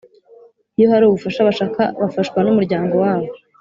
Iyo hari ubufasha bashaka bafashwa n’umuryango wabo